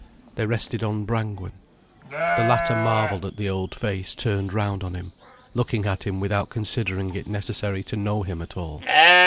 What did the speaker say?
They rested on Brangwen. The latter marvelled at the old face turned round on him, looking at him without considering it necessary to know him at all.